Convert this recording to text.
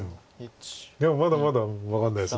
でもまだまだ分かんないです